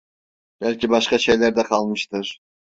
Belki başka şeyler de kalmıştır…